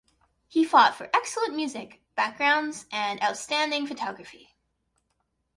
He fought for excellent music backgrounds and outstanding photography.